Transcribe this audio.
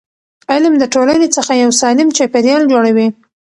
علم د ټولنې څخه یو سالم چاپېریال جوړوي.